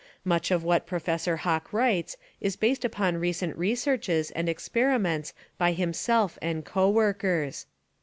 Much of what Professor Hawk writes is based upon recent researches and experi ments by himself and co workers.